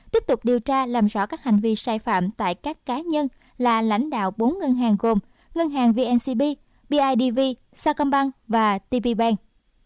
tiếp tục điều tra làm rõ các hành vi sai phạm tại các cá nhân là lãnh đạo bốn ngân hàng gồm ngân hàng vncb bidv sa công bang và tp bank